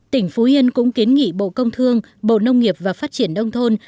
tỉnh phú yên cũng kiến nghị bộ công thương bộ nông nghiệp và phát triển đông thôn